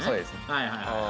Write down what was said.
はいはいはい。